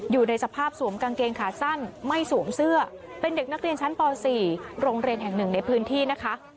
อยู่ในสภาพสวมกางเกงขาสั้นไม่สวมเสื้อเป็นเด็กนักเรียนชั้นป๔โรงเรียนแห่งหนึ่งในพื้นที่นะคะ